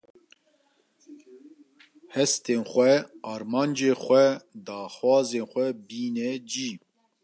hestên xwe, armancên xwe, daxwazên xwe bîne cî.